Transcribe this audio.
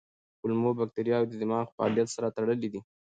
کولمو بکتریاوې د دماغ فعالیت سره تړلي دي.